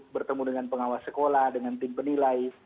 bertemu dengan pengawas sekolah dengan tim penilai